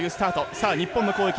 さあ日本の攻撃です。